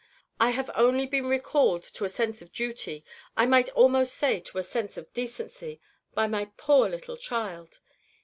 I have only been recalled to a sense of duty, I might almost say to a sense of decency, by my poor little child.